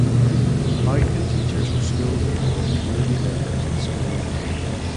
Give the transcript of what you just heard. How can teachers or schools involve community members in school life?